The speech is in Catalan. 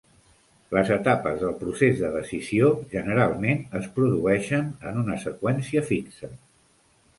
Les etapes del procés de decisió generalment es produeixen en una seqüència fixa.